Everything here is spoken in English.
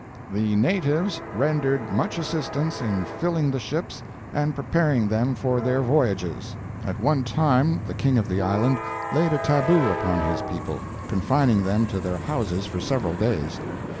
"The natives rendered much assistance in filling the ships and preparing them for their voyages." At one time the king of the island laid a tabu upon his people, confining them to their houses for several days.